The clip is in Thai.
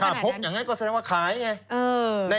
ถ้าพบอย่างนั้นก็แสดงว่าขายไง